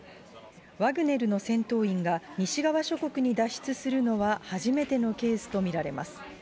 ワグネルの戦闘員が西側諸国に脱出するのは初めてのケースと見られます。